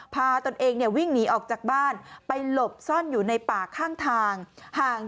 พาตนเองวิ่งหนีออกจากบ้านไปหลบซ่อนอยู่ในป่าข้างทาง